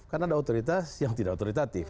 karena ada otoritas yang tidak otoritatif